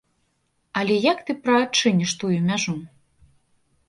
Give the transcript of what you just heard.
Але як ты прыадчыніш тую мяжу?